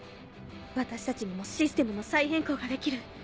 私たちにもシステムの再変更ができる。